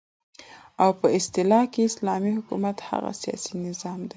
او په اصطلاح كې اسلامي حكومت هغه سياسي نظام دى